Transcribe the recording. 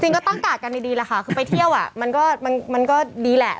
จริงก็ตั้งกากกันดีค่ะคือไปเที่ยวมันก็ดีแหละ